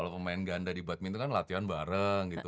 kalau pemain ganda di badminton kan latihan bareng gitu